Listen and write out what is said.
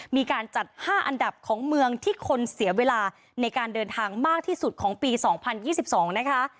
มีการจัด๕อันดับของเมืองที่คนเสียเวลาในการเดินทางมากที่สุดของปี๒๐๒๒นะคะ